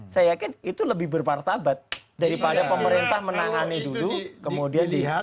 saya yakin itu lebih berpartabat daripada pemerintah menangani dulu kemudian lihat